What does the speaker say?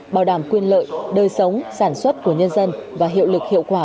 bảo đảm quyền lợi đời sống sản xuất của nhân dân và hiệu lực hiệu quả